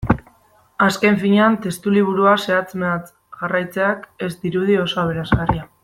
Azken finean, testuliburua zehatz-mehatz jarraitzeak ez dirudi oso aberasgarria.